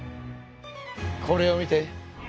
これを見て。